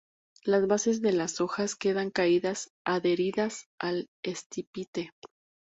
Las bases de las hojas quedan caídas adheridas al estípite.